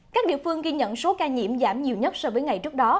các địa phương ghi nhận số ca nhiễm giảm nhiều nhất so với ngày trước đó